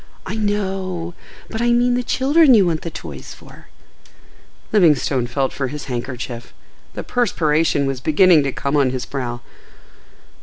"I know.—But I mean the children you want the toys for?" Livingstone felt for his handkerchief. The perspiration was beginning to come on his brow.